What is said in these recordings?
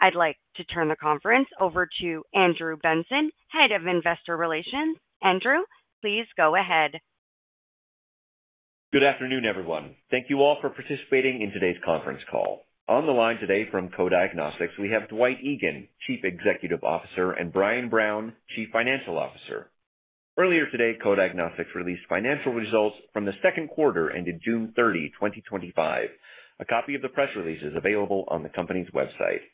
Thank you. I'd like to turn the conference over to Andrew Benson, Head of Investor Relations. Andrew, please go ahead. Good afternoon, everyone. Thank you all for participating in today's conference call. On the line today from Co-Diagnostics, we have Dwight Egan, Chief Executive Officer, and Brian Brown, Chief Financial Officer. Earlier today, Co-Diagnostics released financial results from the second quarter ended June 30, 2025. A copy of the press release is available on the company's website.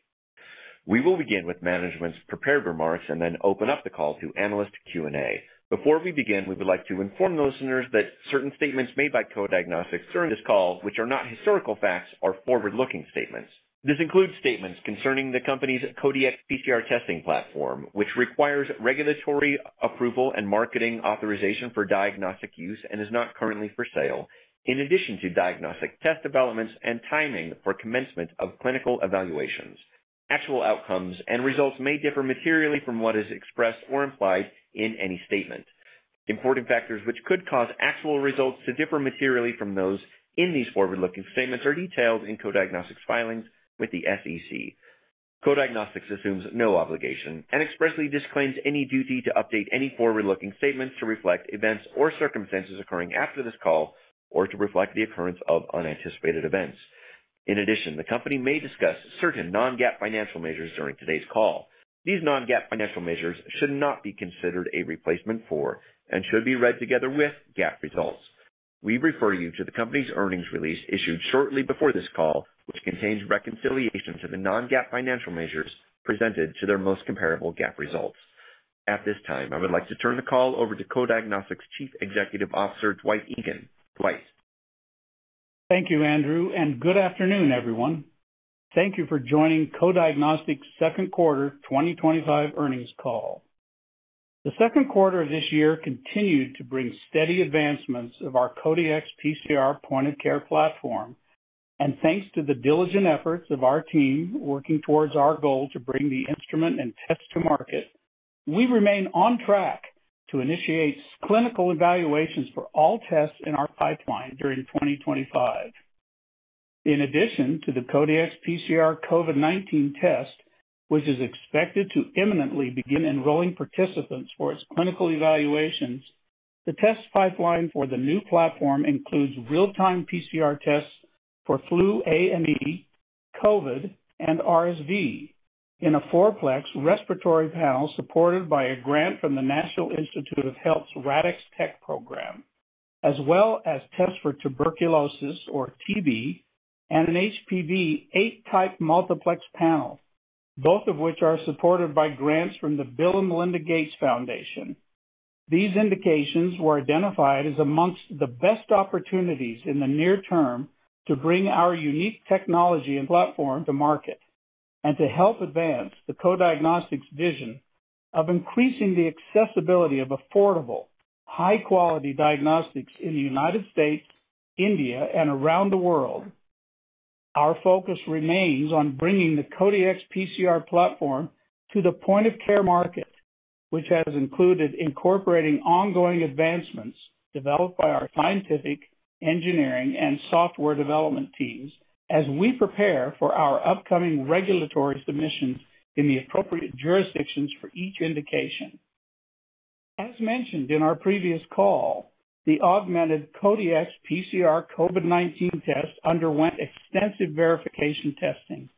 We will begin with management's prepared remarks and then open up the call to analyst Q&A. Before we begin, we would like to inform the listeners that certain statements made by Co-Diagnostics during this call, which are not historical facts, are forward-looking statements. This includes statements concerning the company's Co-Dx PCR testing platform, which requires regulatory approval and marketing authorization for diagnostic use and is not currently for sale, in addition to diagnostic test developments and timing for commencement of clinical evaluations. Actual outcomes and results may differ materially from what is expressed or implied in any statement. Important factors which could cause actual results to differ materially from those in these forward-looking statements are detailed in Co-Diagnostics' filings with the SEC. Co-Diagnostics assumes no obligation and expressly disclaims any duty to update any forward-looking statements to reflect events or circumstances occurring after this call or to reflect the occurrence of unanticipated events. In addition, the company may discuss certain non-GAAP financial measures during today's call. These non-GAAP financial measures should not be considered a replacement for and should be read together with GAAP results. We refer you to the company's earnings release issued shortly before this call, which contains reconciliation to the non-GAAP financial measures presented to their most comparable GAAP results. At this time, I would like to turn the call over to Co-Diagnostics' Chief Executive Officer, Dwight Egan. Dwight. Thank you, Andrew, and good afternoon, everyone. Thank you for joining Co-Diagnostics' Second Quarter 2025 Earnings Call. The second quarter of this year continued to bring steady advancements of our Co-Dx PCR point-of-care platform, and thanks to the diligent efforts of our team working towards our goal to bring the instrument and test to market, we remain on track to initiate clinical evaluations for all tests in our pipeline during 2025. In addition to the Co-Dx PCR COVID-19 test, which is expected to imminently begin enrolling participants for its clinical evaluations, the test pipeline for the new platform includes real-time PCR tests for flu A and B, COVID, and RSV in a four-plex respiratory panel supported by a grant from the National Institutes of Health's RADx Tech program, as well as tests for tuberculosis or TB and an HPV eight-type multiplex panel, both of which are supported by grants from the Bill & Melinda Gates Foundation. These indications were identified as amongst the best opportunities in the near term to bring our unique technology and platform to market and to help advance the Co-Diagnostics' vision of increasing the accessibility of affordable, high-quality diagnostics in the U.S., India, and around the world. Our focus remains on bringing the Co-Dx PCR platform to the point-of-care market, which has included incorporating ongoing advancements developed by our scientific, engineering, and software development teams as we prepare for our upcoming regulatory submissions in the appropriate jurisdictions for each indication. As mentioned in our previous call, the augmented Co-Dx PCR COVID-19 test underwent extensive verification testing,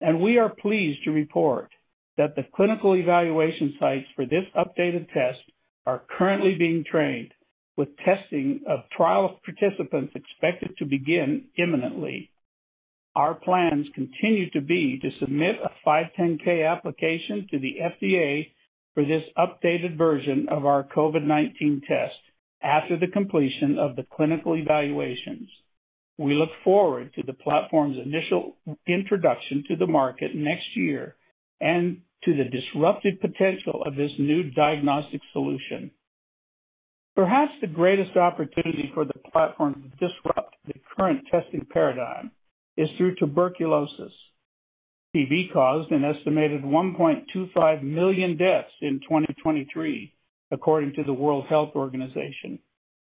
and we are pleased to report that the clinical evaluation sites for this updated test are currently being trained, with testing of trials participants expected to begin imminently. Our plans continue to be to submit a 510(k) application to the FDA for this updated version of our COVID-19 test after the completion of the clinical evaluations. We look forward to the platform's initial introduction to the market next year and to the disruptive potential of this new diagnostic solution. Perhaps the greatest opportunity for the platform to disrupt the current testing paradigm is through tuberculosis. TB caused an estimated 1.25 million deaths in 2023, according to the World Health Organization,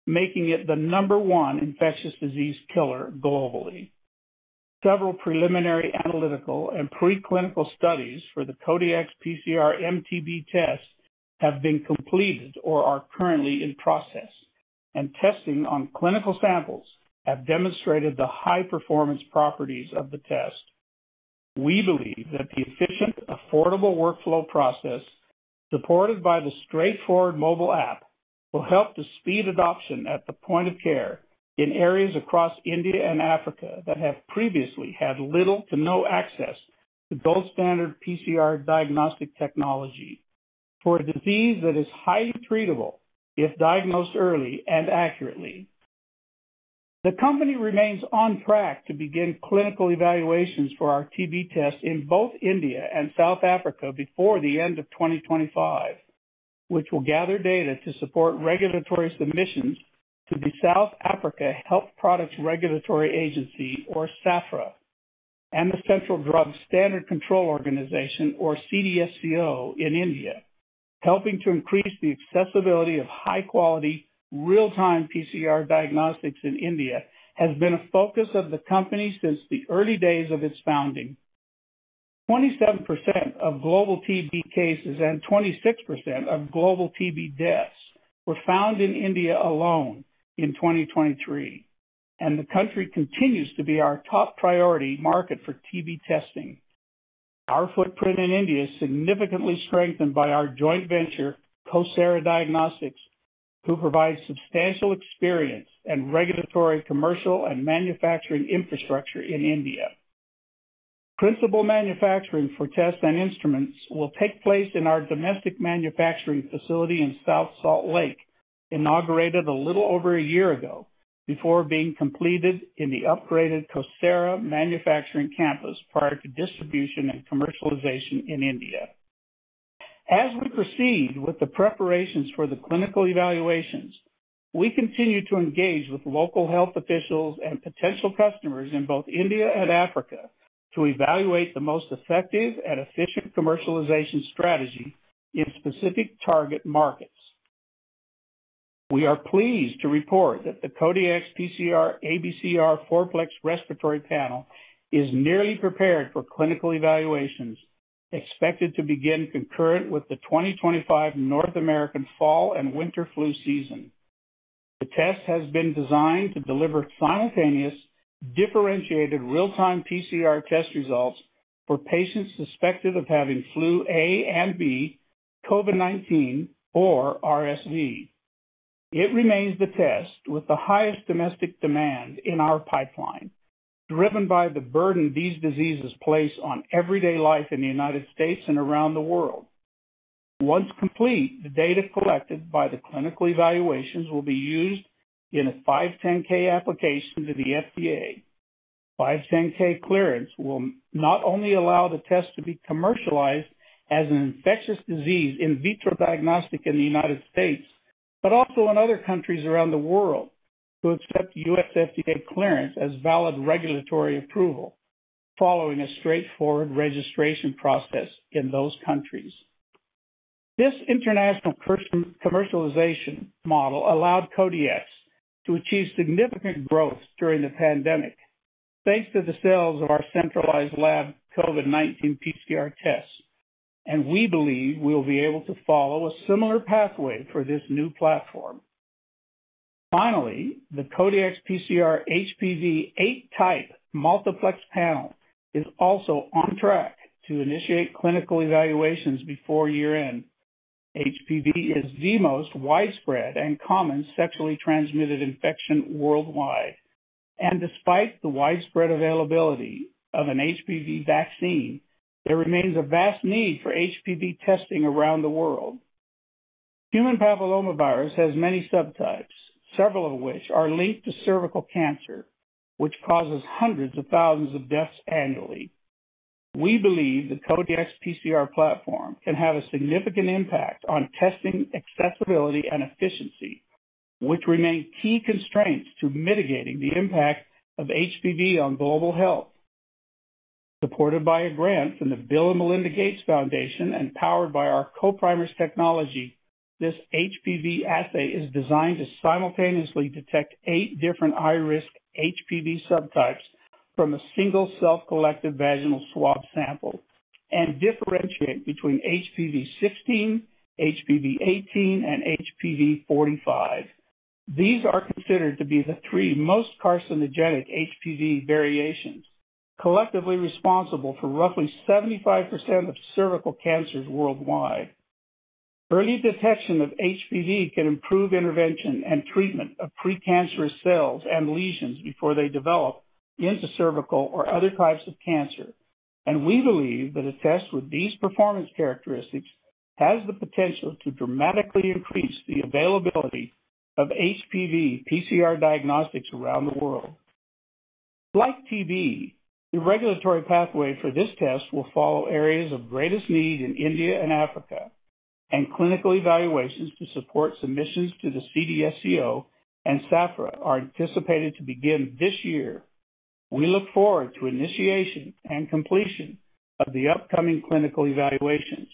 making it the number one infectious disease killer globally. Several preliminary analytical and preclinical studies for the Co-Dx PCR MTB test have been completed or are currently in process, and testing on clinical samples has demonstrated the high-performance properties of the test. We believe that the efficient, affordable workflow process, supported by the straightforward mobile app, will help to speed adoption at the point of care in areas across India and Africa that have previously had little to no access to gold-standard PCR diagnostic technology. For a disease that is highly treatable if diagnosed early and accurately, the company remains on track to begin clinical evaluations for our TB test in both India and South Africa before the end of 2025, which will gather data to support regulatory submissions to the South Africa Health Products Regulatory Authority, or SAHPRA, and the Central Drugs Standard Control Organization, or CDSCO, in India. Helping to increase the accessibility of high-quality, real-time PCR diagnostics in India has been a focus of the company since the early days of its founding. 27% of global TB cases and 26% of global TB deaths were found in India alone in 2023, and the country continues to be our top priority market for TB testing. Our footprint in India is significantly strengthened by our joint venture, CoSara Diagnostics, who provides substantial experience and regulatory, commercial, and manufacturing infrastructure in India. Principal manufacturing for tests and instruments will take place in our domestic manufacturing facility in South Salt Lake, inaugurated a little over a year ago, before being completed in the upgraded CoSara manufacturing campus prior to distribution and commercialization in India. As we proceed with the preparations for the clinical evaluations, we continue to engage with local health officials and potential customers in both India and Africa to evaluate the most effective and efficient commercialization strategy in specific target markets. We are pleased to report that the Co-Dx PCR ABCR four-plex respiratory panel is nearly prepared for clinical evaluations, expected to begin concurrent with the 2025 North American fall and winter flu season. The test has been designed to deliver simultaneous, differentiated, real-time PCR test results for patients suspected of having flu A and B, COVID-19, or RSV. It remains the test with the highest domestic demand in our pipeline, driven by the burden these diseases place on everyday life in the U.S. and around the world. Once complete, the data collected by the clinical evaluations will be used in a 510(k) application to the FDA. 510(k) clearance will not only allow the test to be commercialized as an infectious disease in vitro diagnostic in the U.S., but also in other countries around the world that accept U.S. FDA clearance as valid regulatory approval following a straightforward registration process in those countries. This international commercialization model allowed Co-Dx to achieve significant growth during the pandemic, thanks to the sales of our centralized lab COVID-19 PCR tests, and we believe we'll be able to follow a similar pathway for this new platform. Finally, the Co-Dx PCR HPV eight-type multiplex panel is also on track to initiate clinical evaluations before year end. HPV is the most widespread and common sexually transmitted infection worldwide, and despite the widespread availability of an HPV vaccine, there remains a vast need for HPV testing around the world. Human papillomavirus has many subtypes, several of which are linked to cervical cancer, which causes hundreds of thousands of deaths annually. We believe the Co-Dx PCR platform can have a significant impact on testing accessibility and efficiency, which remain key constraints to mitigating the impact of HPV on global health. Supported by a grant from the Bill & Melinda Gates Foundation and powered by our Co-Primers technology, this HPV assay is designed to simultaneously detect eight different high-risk HPV subtypes from a single self-collected vaginal swab sample and differentiate between HPV 16, HPV 18, and HPV 45. These are considered to be the three most carcinogenic HPV variations, collectively responsible for roughly 75% of cervical cancers worldwide. Early detection of HPV can improve intervention and treatment of precancerous cells and lesions before they develop into cervical or other types of cancer, and we believe that a test with these performance characteristics has the potential to dramatically increase the availability of HPV PCR diagnostics around the world. Like TB, the regulatory pathway for this test will follow areas of greatest need in India and Africa, and clinical evaluations to support submissions to the CDSCO and SAHPRA are anticipated to begin this year. We look forward to initiation and completion of the upcoming clinical evaluations,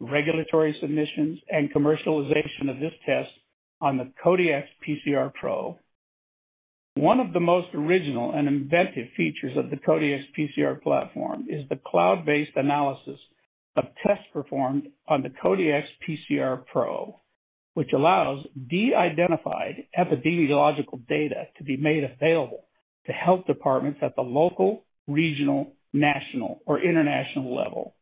regulatory submissions, and commercialization of this test on the Co-Dx PCR Pro. One of the most original and inventive features of the Co-Dx PCR platform is the cloud-based analysis of tests performed on the Co-Dx PCR Pro, which allows de-identified epidemiological data to be made available to health departments at the local, regional, national, or international level.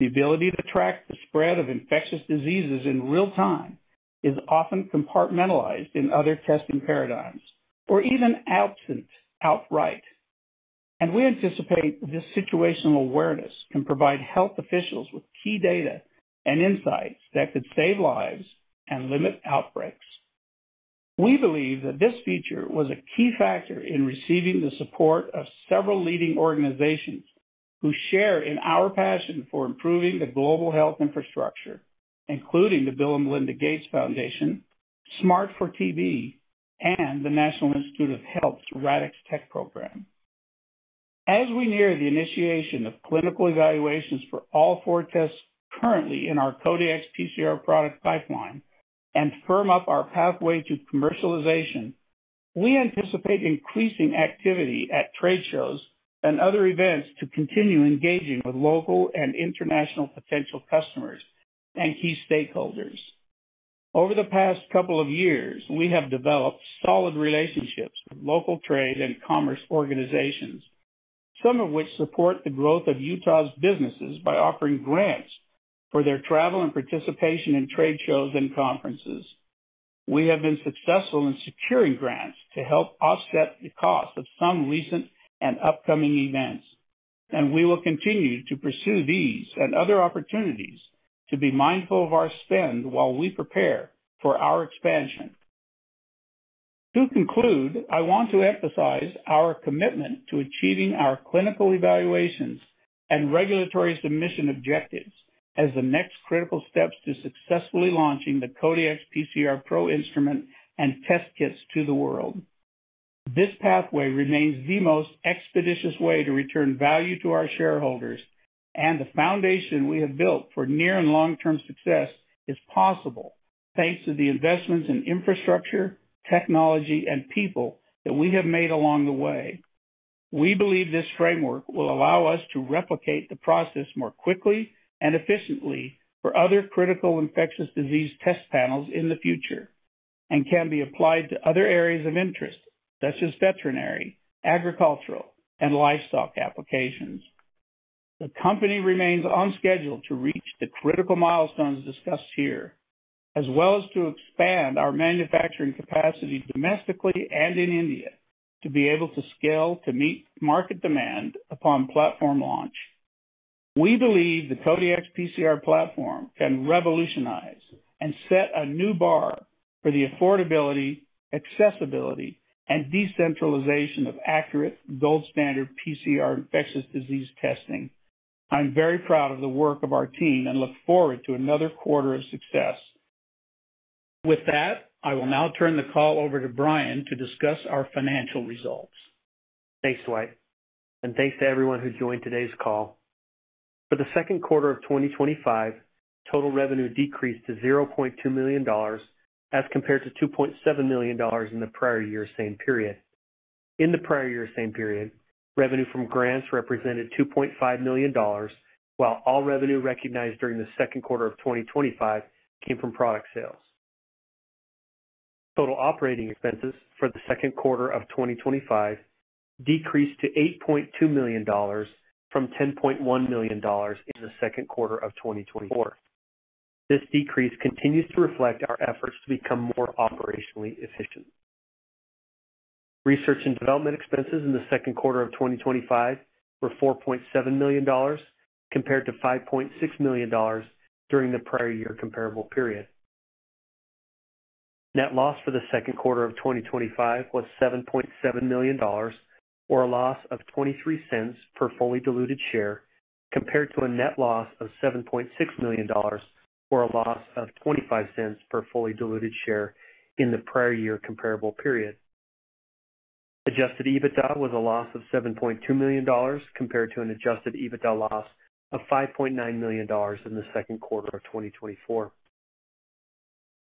The ability to track the spread of infectious diseases in real time is often compartmentalized in other testing paradigms or even absent outright, and we anticipate this situational awareness can provide health officials with key data and insight that could save lives and limit outbreaks. We believe that this feature was a key factor in receiving the support of several leading organizations who share in our passion for improving the global health infrastructure, including the Bill & Melinda Gates Foundation, SMART4TB, and the National Institutes of Health's RADx Tech program. As we near the initiation of clinical evaluations for all four tests currently in our Co-Dx PCR product pipeline and firm up our pathway to commercialization, we anticipate increasing activity at trade shows and other events to continue engaging with local and international potential customers and key stakeholders. Over the past couple of years, we have developed solid relationships with local trade and commerce organizations, some of which support the growth of Utah's businesses by offering grants for their travel and participation in trade shows and conferences. We have been successful in securing grants to help offset the cost of some recent and upcoming events, and we will continue to pursue these and other opportunities to be mindful of our spend while we prepare for our expansion. To conclude, I want to emphasize our commitment to achieving our clinical evaluations and regulatory submission objectives as the next critical steps to successfully launching the Co-Dx PCR Pro instrument and test kits to the world. This pathway remains the most expeditious way to return value to our shareholders, and the foundation we have built for near and long-term success is possible thanks to the investments in infrastructure, technology, and people that we have made along the way. We believe this framework will allow us to replicate the process more quickly and efficiently for other critical infectious disease test panels in the future and can be applied to other areas of interest, such as veterinary, agricultural, and livestock applications. The company remains on schedule to reach the critical milestones discussed here, as well as to expand our manufacturing capacity domestically and in India to be able to scale to meet market demand upon platform launch. We believe the Co-Dx PCR platform can revolutionize and set a new bar for the affordability, accessibility, and decentralization of accurate gold standard PCR infectious disease testing. I'm very proud of the work of our team and look forward to another quarter of success. With that, I will now turn the call over to Brian to discuss our financial results. Thanks, Dwight, and thanks to everyone who joined today's call. For the second quarter of 2025, total revenue decreased to $200,000 as compared to $2.7 million in the prior year's same period. In the prior year's same period, revenue from grants represented $2.5 million, while all revenue recognized during the second quarter of 2025 came from product sales. Total operating expenses for the second quarter of 2025 decreased to $8.2 million from $10.1 million in the second quarter of 2024. This decrease continues to reflect our efforts to become more operationally efficient. Research and development expenses in the second quarter of 2025 were $4.7 million compared to $5.6 million during the prior year comparable period. Net loss for the second quarter of 2025 was $7.7 million, or a loss of $0.23 per fully diluted share, compared to a net loss of $7.6 million, or a loss of $0.25 per fully diluted share in the prior year comparable period. Adjusted EBITDA was a loss of $7.2 million compared to an adjusted EBITDA loss of $5.9 million in the second quarter of 2024.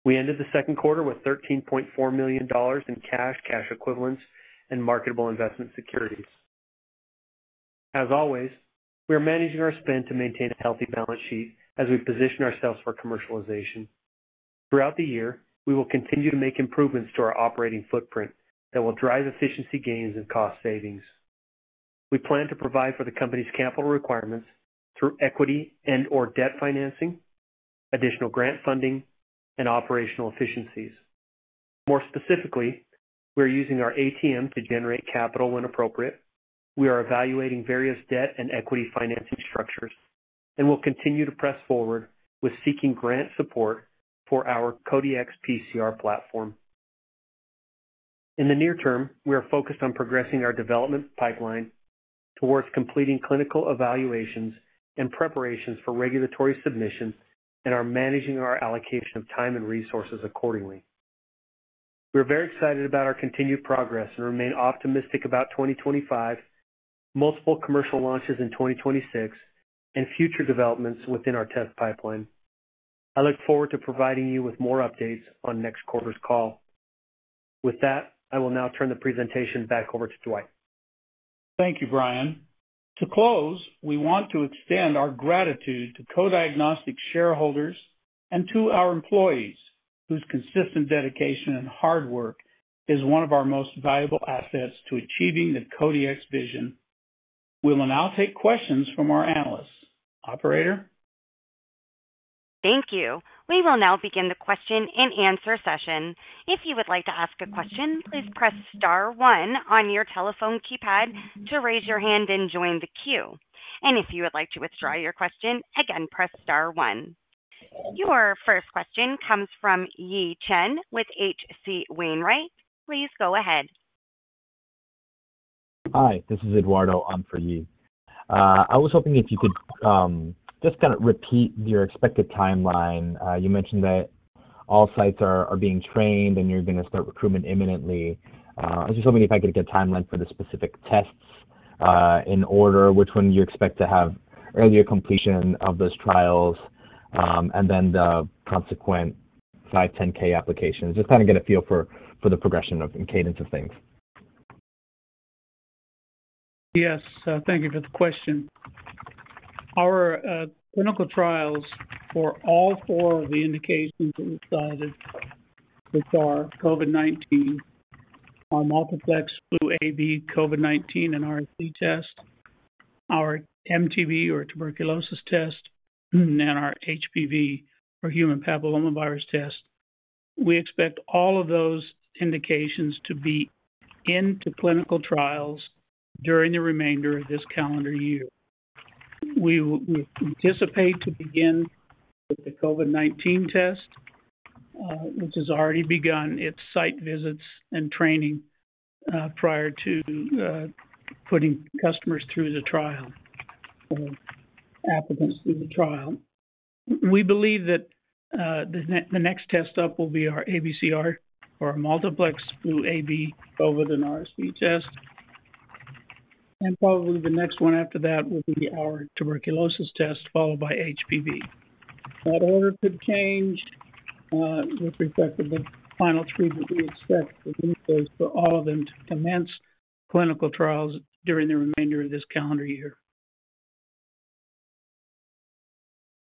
We ended the second quarter with $13.4 million in cash, cash equivalents, and marketable investment securities. As always, we are managing our spend to maintain a healthy balance sheet as we position ourselves for commercialization. Throughout the year, we will continue to make improvements to our operating footprint that will drive efficiency gains and cost savings. We plan to provide for the company's capital requirements through equity and/or debt financing, additional grant funding, and operational efficiencies. More specifically, we are using our ATM to generate capital when appropriate. We are evaluating various debt and equity financing structures and will continue to press forward with seeking grant support for our Co-Dx PCR platform. In the near term, we are focused on progressing our development pipeline towards completing clinical evaluations and preparations for regulatory submissions and are managing our allocation of time and resources accordingly. We are very excited about our continued progress and remain optimistic about 2025, multiple commercial launches in 2026, and future developments within our test pipeline. I look forward to providing you with more updates on next quarter's call. With that, I will now turn the presentation back over to Dwight. Thank you, Brian. To close, we want to extend our gratitude to Co-Diagnostics' shareholders and to our employees, whose consistent dedication and hard work is one of our most valuable assets to achieving the Co-Dx vision. We will now take questions from our analysts. Operator? Thank you. We will now begin the question and answer session. If you would like to ask a question, please press star one on your telephone keypad to raise your hand and join the queue. If you would like to withdraw your question, again press star one. Your first question comes from Yi Chen with H.C. Wainwright. Please go ahead. Hi, this is Eduardo on for Yi. I was hoping if you could just kind of repeat your expected timeline. You mentioned that all sites are being trained and you're going to start recruitment imminently. I was just hoping if I could get a timeline for the specific tests in order, which one you expect to have at your completion of those trials and then the consequent 510(k) applications, just kind of get a feel for the progression of the cadence of things. Yes, thank you for the question. Our clinical trials for all four of the indications that we've cited, which are COVID-19, our multiplex flu A/B, COVID, and RSV test, our MTB or tuberculosis test, and our HPV or human papillomavirus test, we expect all of those indications to be into clinical trials during the remainder of this calendar year. We anticipate to begin with the COVID-19 test, which has already begun its site visits and training prior to putting customers through the trial or applicants through the trial. We believe that the next test up will be our ABCR or multiplex flu A/B, COVID, and RSV test, and probably the next one after that would be our tuberculosis test followed by HPV. The order could change with respect to the final treatment. We expect in any case for all of them to commence clinical trials during the remainder of this calendar year.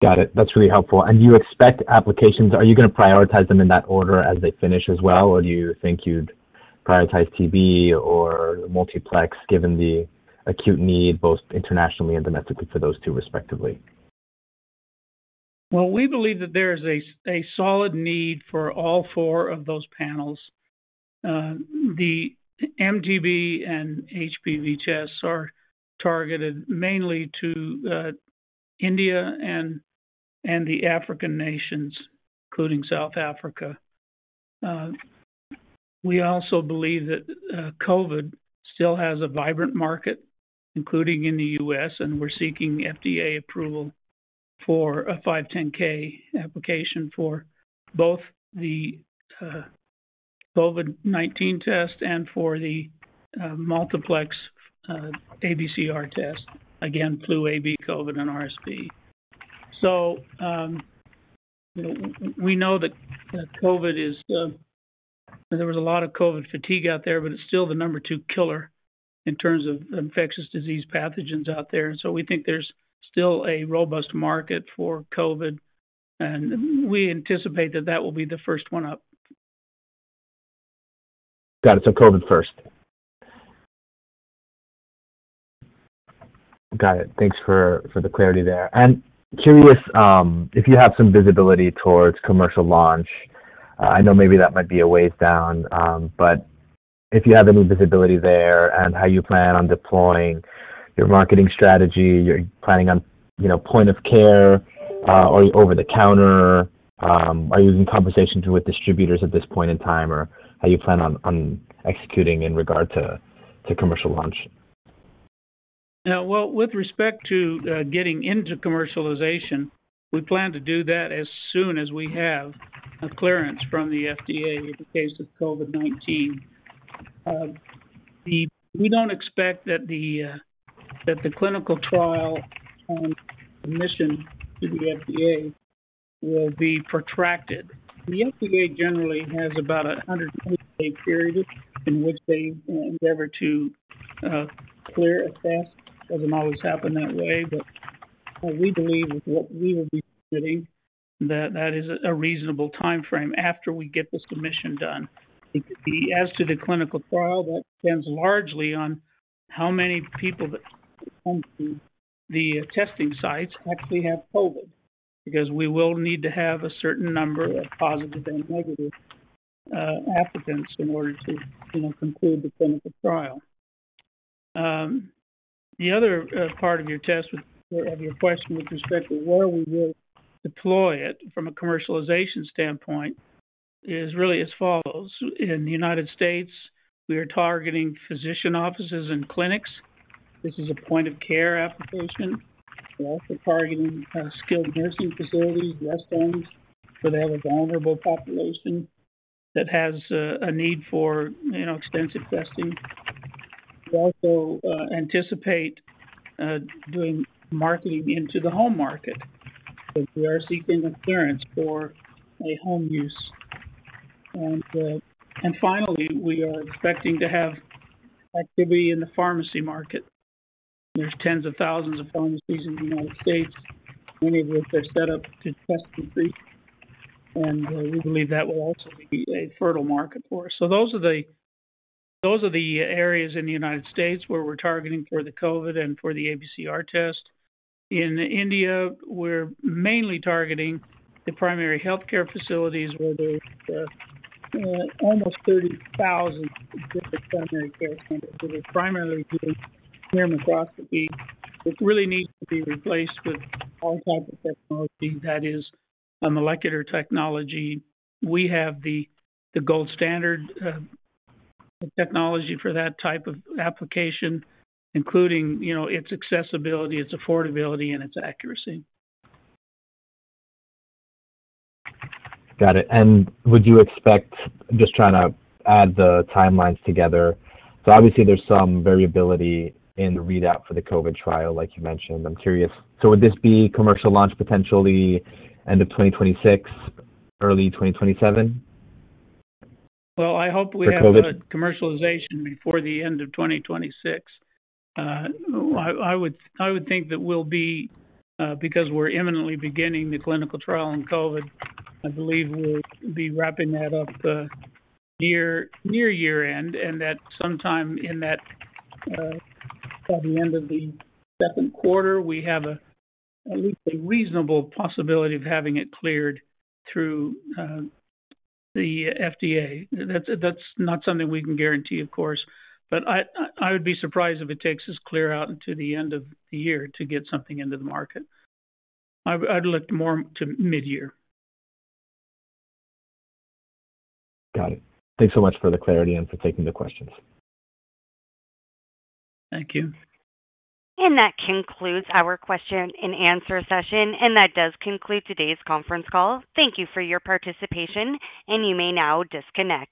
Got it. That's really helpful. You expect applications, are you going to prioritize them in that order as they finish as well, or do you think you'd prioritize TB or the multiplex given the acute need both internationally and domestically for those two respectively? We believe that there is a solid need for all four of those panels. The MTB and HPV tests are targeted mainly to India and the African nations, including South Africa. We also believe that COVID still has a vibrant market, including in the U.S., and we're seeking FDA approval for a 510(k) application for both the COVID-19 test and for the multiplex flu ABCR test, again flu A/B, COVID, and RSV. We know that COVID is, there was a lot of COVID fatigue out there, but it's still the number two killer in terms of infectious disease pathogens out there. We think there's still a robust market for COVID, and we anticipate that that will be the first one up. Got it. COVID first. Thanks for the clarity there. Curious if you have some visibility towards commercial launch. I know maybe that might be a ways down, but if you have any visibility there and how you plan on deploying your marketing strategy, you're planning on, you know, point of care or over the counter, are you in conversations with distributors at this point in time, or how you plan on executing in regard to commercial launch? Yeah. With respect to getting into commercialization, we plan to do that as soon as we have clearance from the FDA with the case of COVID-19. We don't expect that the clinical trial submission to the FDA will be protracted. The FDA generally has about a 120-day period in which they endeavor to clear a test, doesn't always happen that way. We believe with what we will be submitting, that that is a reasonable timeframe after we get the submission done. As to the clinical trial, that depends largely on how many people that come to the testing sites actually have COVID because we will need to have a certain number of positive and negative applicants in order to, you know, conclude the clinical trial. The other part of your question with respect to where we will deploy it from a commercialization standpoint is really as follows. In the U.S., we are targeting physician offices and clinics. This is a point-of-care application. We're also targeting skilled nursing facilities, rest homes, where they have a vulnerable population that has a need for now extensive testing. We also anticipate doing marketing into the home market because we are seeking a clearance for a home use. Finally, we are expecting to have activity in the pharmacy market. There are tens of thousands of pharmacies in the U.S., many of which are set up to test debrief, and we believe that will also be a fertile market for us. Those are the areas in the U.S. where we're targeting for the COVID and for the ABCR test. In India, we're mainly targeting the primary healthcare facilities where there's almost 30,000 different primary care centers. They're primarily doing mammography, which really needs to be replaced with all types of technology that is a molecular technology. We have the gold standard technology for that type of application, including, you know, its accessibility, its affordability, and its accuracy. Got it. Would you expect, I'm just trying to add the timelines together. Obviously, there's some variability in the readout for the COVID trial, like you mentioned. I'm curious, would this be commercial launch potentially end of 2026, early 2027? I hope we have a commercialization before the end of 2026. I would think that we'll be, because we're imminently beginning the clinical trial on COVID, I believe we'll be wrapping that up near year end and that sometime in that, by the end of the second quarter, we have at least a reasonable possibility of having it cleared through the FDA. That's not something we can guarantee, of course, but I would be surprised if it takes us clear out until the end of the year to get something into the market. I'd look more to mid-year. Got it. Thanks so much for the clarity and for taking the questions. Thank you. That concludes our question and answer session, and that does conclude today's conference call. Thank you for your participation, and you may now disconnect.